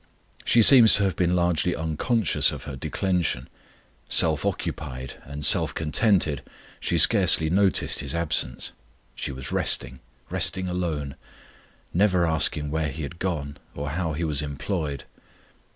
She seems to have been largely unconscious of her declension; self occupied and self contented, she scarcely noticed His absence; she was resting, resting alone, never asking where He had gone, or how He was employed.